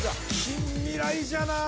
◆近未来じゃなー。